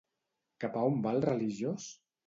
Cap a on va el religiós?